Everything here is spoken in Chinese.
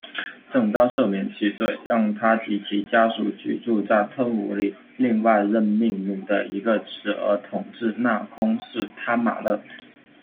郑昭赦免其罪，让他及其家属居住在吞武里，另外任命努的一个侄儿统治那空是贪玛叻。